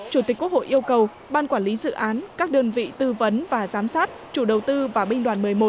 chủ tịch quốc hội yêu cầu ban quản lý dự án các đơn vị tư vấn và giám sát chủ đầu tư và binh đoàn một mươi một